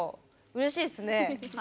うれしいですね。